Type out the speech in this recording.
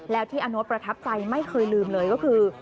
แล้วที่อาโน๊ตประทับใจไม่เคยลืมเลยก็คือ